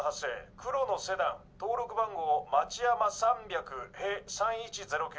黒のセダン登録番号町山３００へ３１０９。